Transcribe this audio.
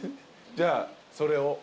じゃあそれを。